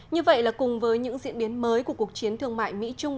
như vậy là cùng với những diễn biến mới của cuộc chiến thương mại mỹ trung